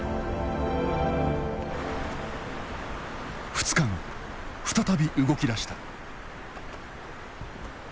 ２日後再び動きだした。